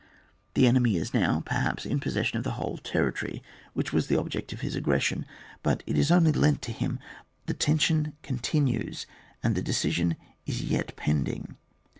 The enemy is now, perhaps, in possession of the whole territory which was the object of his aggression, but it is only lent to him ; the tension continues, and the decision is yet pending.